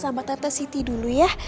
siva kamu sama tante siti dulu ya